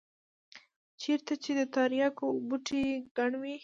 چېرته چې د ترياکو بوټي گڼ وي.